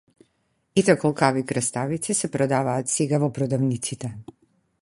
Ете колкави краставици се продаваат сега во продавниците!